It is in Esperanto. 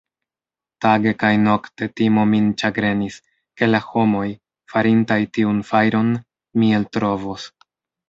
Tage kaj nokte timo min ĉagrenis, ke la homoj, farintaj tiun fajron, mi eltrovos.